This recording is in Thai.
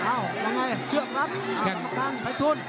อ้าวยังไงเคลื่องลัดเอ้าคุณประกันแตะทุน